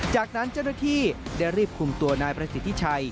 จากนั้นเจ้าหน้าที่ได้รีบคุมตัวนายประสิทธิชัย